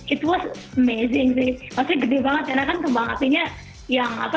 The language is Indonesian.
it was amazing sih maksudnya gede banget karena kan kembang apinya yang apa